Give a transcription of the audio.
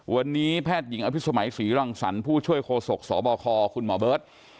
วันนี้แพทย์หญิงอภิษมัยศรีรังสรรค์ผู้ช่วยโคศกสบคคุณหมอเบิร์ต